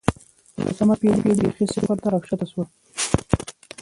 په لسمه پېړۍ کې بېخي صفر ته راښکته شول